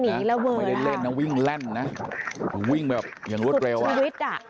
ไม่ได้เล่นนะวิ่งแร่นนะวิ่งแบบอย่างรวดเร็ว